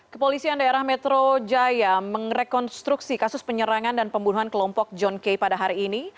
kepolisian daerah metro jaya merekonstruksi kasus penyerangan dan pembunuhan kelompok john kay pada hari ini